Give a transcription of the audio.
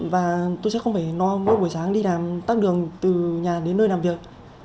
và tôi sẽ không phải no mỗi buổi sáng đi làm tắt đường từ nhà đến nơi làm việc